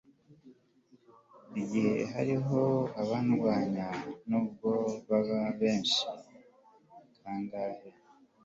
igihe hariho abandwanya, n'ubwo baba benshi kangahe